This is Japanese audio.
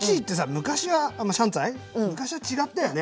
昔は違ったよね。